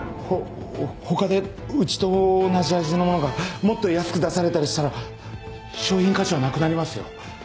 ほ他でうちと同じ味のものがもっと安く出されたりしたら商品価値はなくなりますよ。